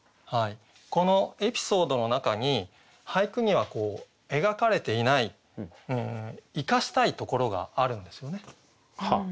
このエピソードの中に俳句には描かれていない生かしたいところがあるんですよね。